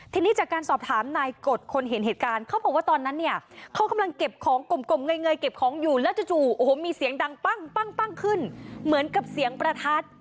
ทีนี้จากการสอบถามนายกฎคนเห็นเหตุการณ์เขาบอกว่าตอนนั้นเนี่ยเขากำลังเก็บของกลมเงยเก็บของอยู่แล้วจู่โอ้โหมีเสียงดังปั้งขึ้นเหมือนกับเสียงประทัด